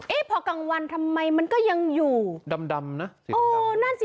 พอกลางวันทำไมมันก็ยังอยู่ดำดำนะสิโอ้นั่นสิ